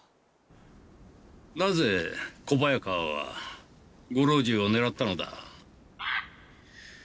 なぜ小早川はご老中を狙ったのだ？